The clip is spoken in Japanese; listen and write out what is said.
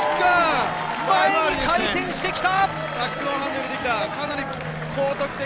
前に回転してきた！